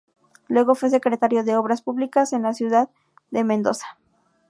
Luego fue secretario de Obras Públicas de la Ciudad de Mendoza.